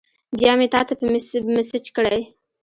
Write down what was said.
بیا مې تاته په میسج کړی